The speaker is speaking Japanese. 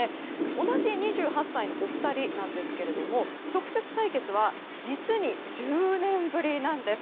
同じ２８歳のお二人なんですが直接対決は実に１０年ぶりなんです。